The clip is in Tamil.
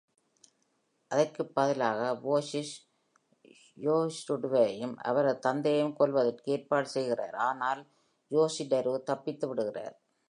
அதற்குப் பதிலாக வாஷிஷு, யோஷிடெருவையும் அவரது தந்தையையும் கொல்வதற்கு ஏற்பாடு செய்கிறார், ஆனால் யோஷிடெரு தப்பித்து விடுகிறார்.